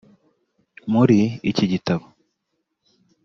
muri iki gitabo